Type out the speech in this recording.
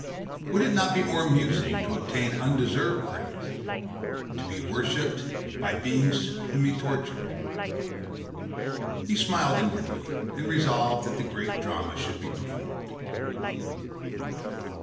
Would it not be more amusing to obtain undeserved praise, to be worshiped by beings whom he tortured? He smiled inwardly, and resolved that the great drama should be performed.